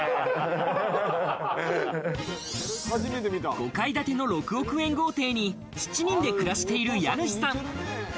５階建ての６億円豪邸に７人で暮らしている家主さん。